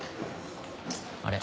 あれ？